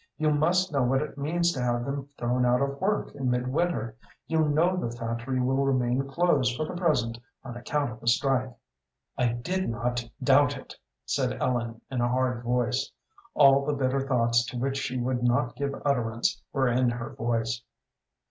You must know what it means to have them thrown out of work in midwinter. You know the factory will remain closed for the present on account of the strike." "I did not doubt it," said Ellen, in a hard voice. All the bitter thoughts to which she would not give utterance were in her voice.